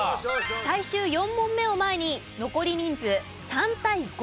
最終４問目を前に残り人数３対５です。